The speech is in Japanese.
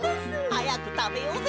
はやくたべようぜ！